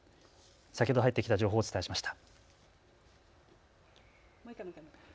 先ほど入ってきた情報をお伝えしました。